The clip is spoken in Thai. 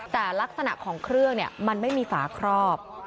แต่ลักษณะของเครื่องมันไม่มีฝาครอบ